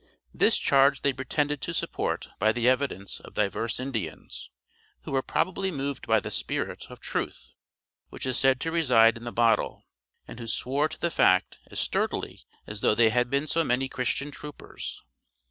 This charge they pretended to support by the evidence of divers Indians, who were probably moved by that spirit of truth which is said to reside in the bottle, and who swore to the fact as sturdily as though they had been so many Christian troopers.